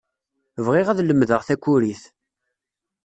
Bɣiɣ ad lemdeɣ takurit.